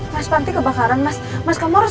mas panti kebakaran mas mas kamu harus